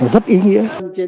rất ý nghĩa